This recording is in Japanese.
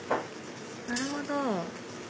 なるほど。